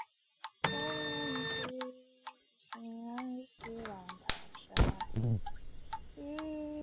回流的血液进入肝脏进行解毒后再由回流至循环系统。